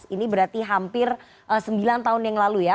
ini berarti hampir sembilan tahun yang lalu ya